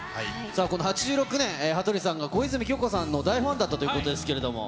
さあこの８６年、羽鳥さんが小泉今日子さんの大ファンだったということですけども。